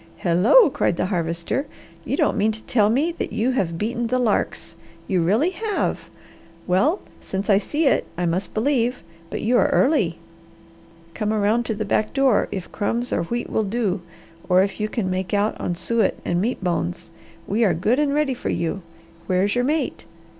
"Hello!" cried the Harvester. "You don't mean to tell me that you have beaten the larks! You really have! Well since I see it, I must believe, but you are early. Come around to the back door if crumbs or wheat will do or if you can make out on suet and meat bones! We are good and ready for you. Where is your mate?